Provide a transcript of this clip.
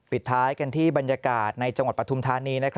ปิดท้ายกันที่บรรยากาศในจังหวัดปฐุมธานี